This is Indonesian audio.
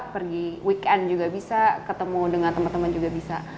pergi weekend juga bisa ketemu dengan teman teman juga bisa